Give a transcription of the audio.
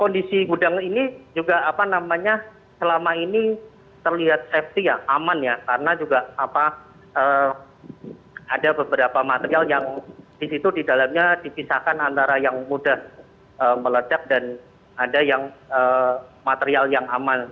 kondisi gudang ini juga selama ini terlihat aman karena juga ada beberapa material yang di situ di dalamnya dipisahkan antara yang mudah meledak dan ada yang material yang aman